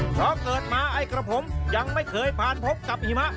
เพราะเกิดมาไอ้กระผมยังไม่เคยผ่านพบกับหิมะ